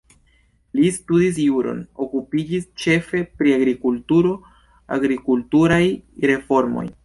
Li studis juron, okupiĝis ĉefe pri agrikulturo, agrikulturaj reformoj.